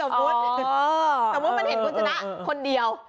สมมุติมันเห็นคุณจะหน้าคนเดียว